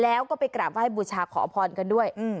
แล้วก็ไปกราบไห้บูชาขอพรกันด้วย